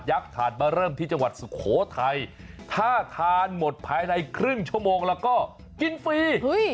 ถาดมาเริ่มที่จังหวัดสุโขทัยถ้าทานหมดภายในครึ่งชั่วโมงแล้วก็กินฟรี